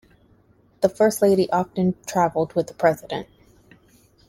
The First Lady often traveled with the President.